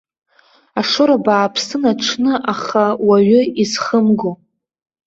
Ашоура бааԥсын аҽны, аха уаҩы изхымго.